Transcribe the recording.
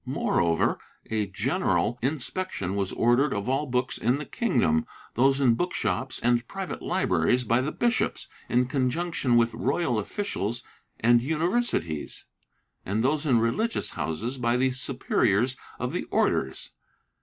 Moreover, a general inspection was ordered of all books in the kingdom; those in book shops and private libraries by the bishops, in conjunction with royal officials and universities, and those in religious houses by the superiors of the Orders.